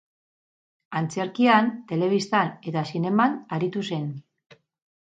Antzerkian, telebistan eta zineman aritu zen.